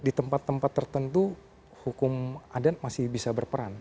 di tempat tempat tertentu hukum adat masih bisa berperan